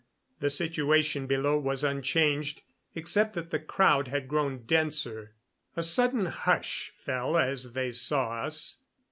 The situation below was unchanged, except that the crowd had grown denser. A sudden hush fell as they saw us.